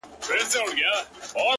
• والاشان او عالیشان دي مقامونه,